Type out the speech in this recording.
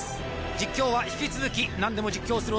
実況は引き続き何でも実況する男